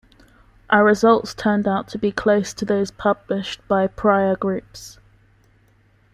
Our results turned out to be close to those published by prior groups.